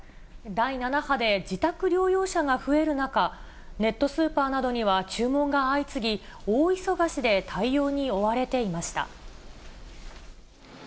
第７波で自宅療養者が増える中、ネットスーパーなどには注文が相次ぎ、大忙しで対応に追われていました。